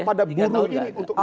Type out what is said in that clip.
pada buruh ini untuk naik